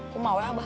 aku mau abah